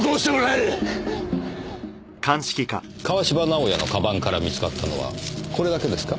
川芝直哉のカバンから見つかったのはこれだけですか？